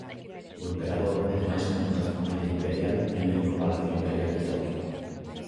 O emperador e demais membros da familia imperial viven no Palacio Imperial de Toquio.